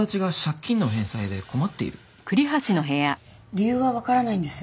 理由はわからないんです。